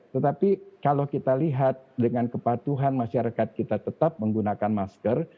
tetapi kalau kita lihat dengan kepatuhan masyarakat kita tetap menggunakan masker